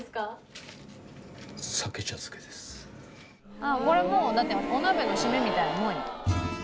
ああこれもうだってお鍋のシメみたいなもんよ。